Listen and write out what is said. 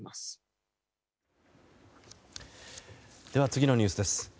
次のニュースです。